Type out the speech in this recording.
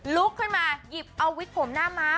ลุกขึ้นมาหยิบเอาวิกผมหน้าม้า